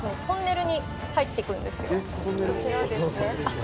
トンネルに入っていくんですよ」